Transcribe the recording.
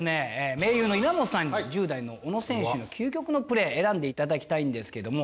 盟友の稲本さんに１０代の小野選手の究極のプレー選んで頂きたいんですけども。